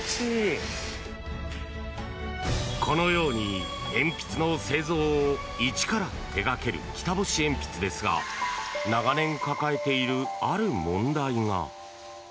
このように鉛筆の製造を一から手掛ける北星鉛筆ですが長年抱えている、ある問題が。